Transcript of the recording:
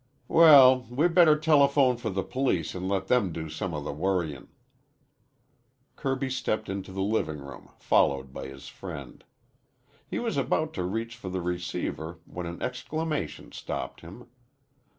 "Well, we'd better telephone for the police an' let them do some of the worryin'." Kirby stepped into the living room, followed by his friend. He was about to reach for the receiver when an exclamation stopped him.